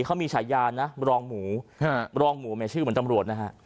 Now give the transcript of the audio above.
เขามีฉายานะรองหมูรองหมูเนี่ยชื่อเหมือนตำรวจนะฮะ